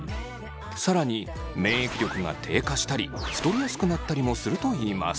更に免疫力が低下したり太りやすくなったりもするといいます。